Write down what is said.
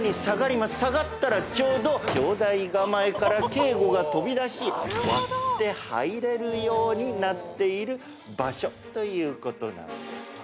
下がったらちょうど帳台構から警護が飛び出し割って入れるようになっている場所ということなんです。